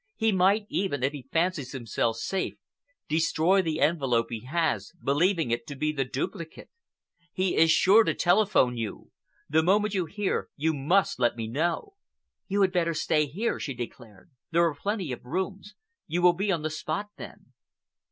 He might even, if he fancies himself safe, destroy the envelope he has, believing it to be the duplicate. He is sure to telephone you. The moment you hear you must let me know." "You had better stay here," she declared. "There are plenty of rooms. You will be on the spot then."